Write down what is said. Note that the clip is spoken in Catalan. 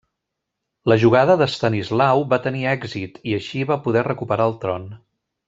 La jugada d'Estanislau va tenir èxit, i així va poder recuperar el tron.